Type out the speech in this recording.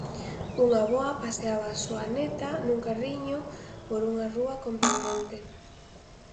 Unha avoa paseaba a súa neta nun carriño por unha rúa con pendente.